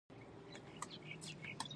څنګه يې وړکيه؛ ورک ورک يې؟